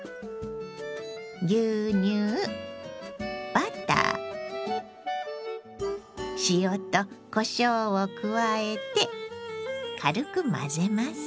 牛乳バター塩とこしょうを加えて軽く混ぜます。